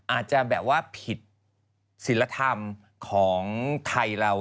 อาจจะแบบว่าผิดศิลธรรมของไทยเรา